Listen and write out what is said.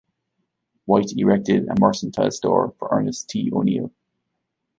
White erected a mercantile store for Ernest T. O'Neil.